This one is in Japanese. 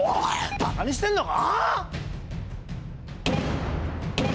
ばかにしてんのか！